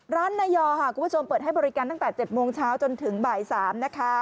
นายอค่ะคุณผู้ชมเปิดให้บริการตั้งแต่๗โมงเช้าจนถึงบ่าย๓นะคะ